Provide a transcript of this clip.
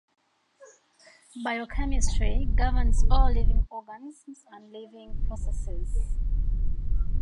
Biochemistry governs all living organisms and living processes.